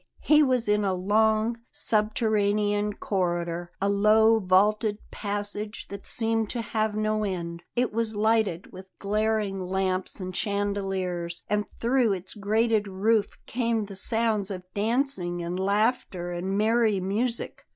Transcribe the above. He was in a long, subterranean corridor, a low, vaulted passage that seemed to have no end. It was lighted with glaring lamps and chandeliers; and through its grated roof came the sounds of dancing and laughter and merry music.